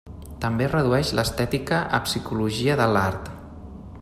També redueix l'estètica a psicologia de l'art.